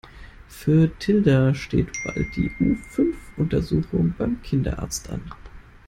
Für Tilda steht bald die U-Fünf Untersuchung beim Kinderarzt an.